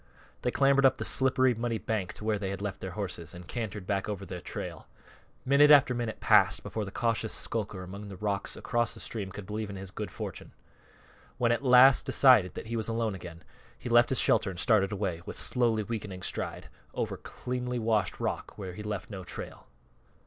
They clambered up the slippery, muddy bank to where they had left their horses, and cantered back over their trail. Minute after minute passed before the cautious skulker among the rocks across the stream could believe in his good fortune. When he at last decided that he was alone again he left his shelter and started away, with slowly weakening stride, over cleanly washed rock where he left no trail.